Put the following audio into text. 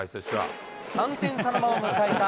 ３点差のまま迎えた